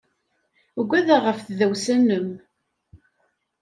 Ugadeɣ ɣef tdawsa-nnem.